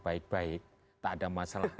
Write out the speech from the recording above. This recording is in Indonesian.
baik baik tak ada masalah